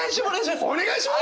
お願いします！